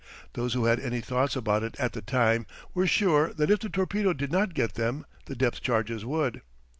Those who had any thoughts about it at the time were sure that if the torpedo did not get them the depth charges would.